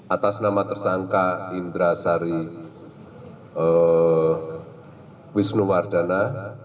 atas nama tersangka indra sari wisnuwardana